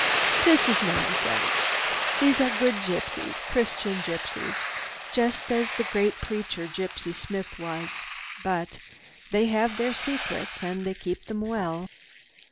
That is nonsense. These are good gypsies, Christian gypsies, just as the great preacher, Gypsy Smith was. But they have their secrets and they keep them well.